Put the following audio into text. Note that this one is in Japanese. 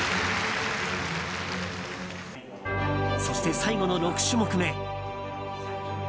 そして、最後の６種目め。